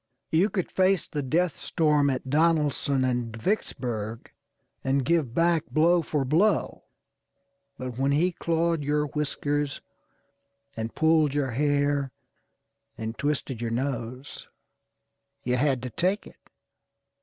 You could face the death storm at Donelson and Vicksburg, and give back blow for blow; but when he clawed your whiskers, and pulled your hair, and twisted your nose, you had to take it.